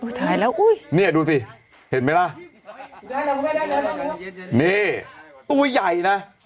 อุ๊ยถ่ายแล้วอุ๊ยเนี่ยดูสิเห็นไหมล่ะได้แล้วได้นี่ตัวใหญ่นะ